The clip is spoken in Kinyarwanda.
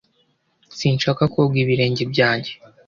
Sinshaka koga ibirenge byanjye